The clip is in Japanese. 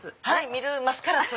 ミル・マスカラス。